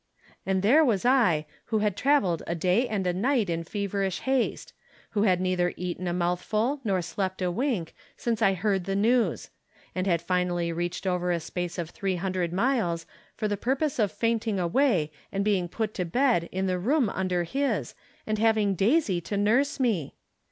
And there was I, who had traveled a day and From Different Standpoints. 65 a night in feverish haste ; who had neither eaten a mouthful nor ' slept a wink since I heard the news ; and had finally reached over a space of three hundred miles, for the purpose of fainting away and being put to bed in the room under his, and having Daisy to nurse me